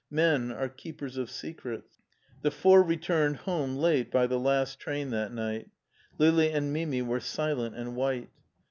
Men are keepers of secrets. The four returned home late' by the last train that night Lili and Mimi were silent and white.